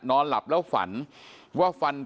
เป็นมีดปลายแหลมยาวประมาณ๑ฟุตนะฮะที่ใช้ก่อเหตุ